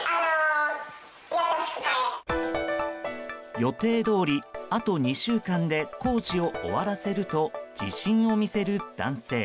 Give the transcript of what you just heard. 予定どおり、あと２週間で工事を終わらせると自信を見せる男性。